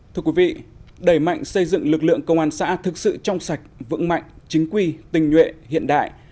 thưa quý vị đẩy mạnh xây dựng lực lượng công an xã thực sự trong sạch vững mạnh chính quy tình nhuệ hiện đại